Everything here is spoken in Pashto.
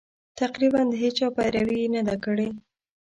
تقریباً د هېچا پیروي یې نه ده کړې.